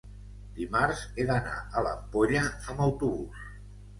dimarts he d'anar a l'Ampolla amb autobús.